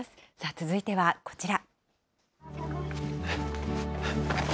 続いてはこちら。